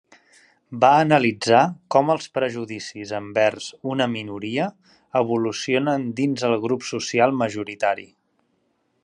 Va analitzar com els prejudicis envers una minoria evolucionen dins el grup social majoritari.